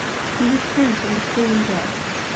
He withdrew from the clean and jerk.